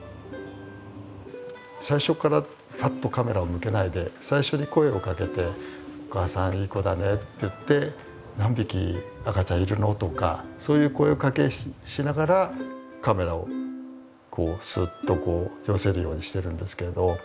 最初からぱっとカメラを向けないで最初に声をかけて「お母さんいい子だね」って言って「何匹赤ちゃんいるの？」とかそういう声かけしながらカメラをすっと寄せるようにしてるんですけど。